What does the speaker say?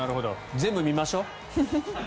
全部見ましょう。